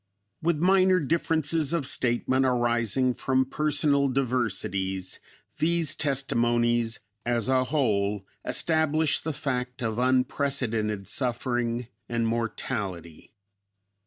With minor differences of statement arising from personal diversities these testimonies as a whole establish the fact of unprecedented suffering and mortality.